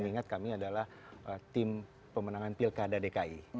saya ingat kami adalah tim pemenangan pilkada dki